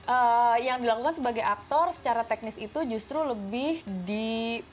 eee yang dilakukan sebagai aktor secara teknis itu justru lebih di